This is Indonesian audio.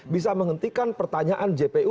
bisa menghentikan pertanyaan jpu